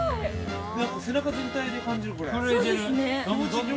背中全体で感じる、これ。